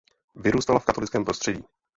Vyrůstala v katolickém prostředí.